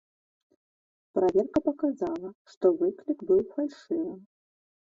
Праверка паказала, што выклік быў фальшывым.